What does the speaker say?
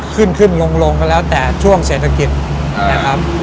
ขึ้นขึ้นลงก็แล้วแต่ช่วงเศรษฐกิจนะครับ